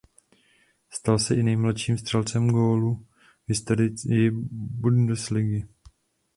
Stal se i nejmladším střelcem gólu v historii bundesligy.